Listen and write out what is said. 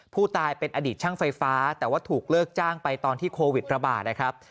ผู้ตายเป็นอดีตช่างไฟฟ้าแต่ว่าถูกเลิกจ้างไปตอนที่โควิดระบาดนะครับ